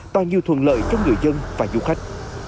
toàn như thuận lợi cho người dân và du khách